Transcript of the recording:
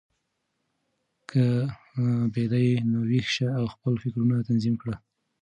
که بیده یې، نو ویښ شه او خپل فکرونه تنظیم کړه.